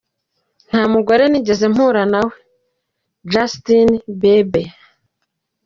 Ntamugore nigeze mpura na we”,Justin Bieber.